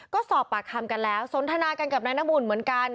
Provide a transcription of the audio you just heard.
ก็สอบปากคำกันแล้วสนทนากันกับนายน้ำอุ่นเหมือนกัน